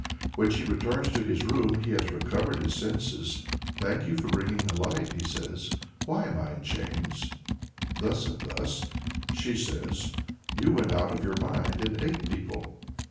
When she returns to his room he has recovered his senses. "Thank you for bringing a light," he says. "Why am I in chains?" "Thus and thus," says she. "You went out of your mind and ate people."